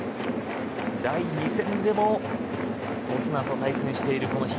第２戦でもオスナと対戦している比嘉。